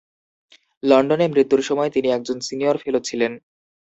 লন্ডনে মৃত্যুর সময় তিনি একজন সিনিয়র ফেলো ছিলেন।